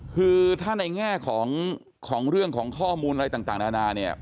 คือถ้าในแง่ของเรื่องของข้อมูลอะไรต่างนานาเนี่ย